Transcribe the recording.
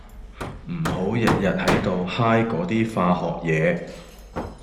唔好日日喺度 high 嗰啲化學嘢